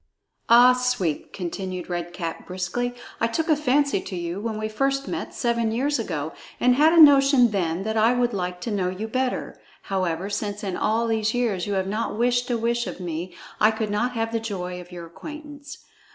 "Ah, Sweep!" continued Red Cap briskly, "I took a fancy to you when we first met, seven years ago, and had a notion then that I would like to know you better. However, since in all these years you have not wished a wish of me, I could not have the joy of your acquaintance.